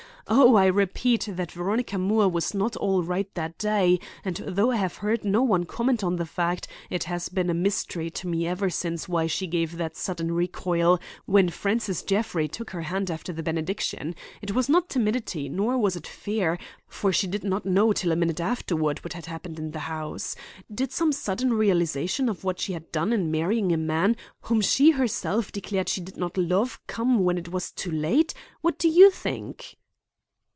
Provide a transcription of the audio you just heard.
O, I repeat that Veronica Moore was not all right that day, and though I have heard no one comment on the fact, it has been a mystery to me ever since why she gave that sudden recoil when Francis Jeffrey took her hand after the benediction. It was not timidity, nor was it fear, for she did not know till a minute afterward what had happened in the house. Did some sudden realization of what she had done in marrying a man whom she herself declared she did not love come when it was too late? What do you think?"